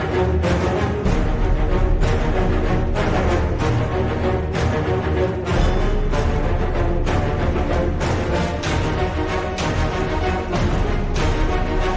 บอกว่าเศร้าโบ๊ะมากเลยค่ะตอนแรกนี้แบบโอ้โหละทึกมากเลย